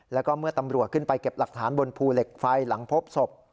แล้วก็เมื่อตำรวจขึ้นไปเก็บหลักฐานบนภูเหล็กไฟหลังพบศพ